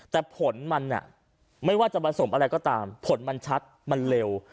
แต่ผลมันไม่ว่าจะผสมอะไรก็ตามผลมันชัดมันเร็ว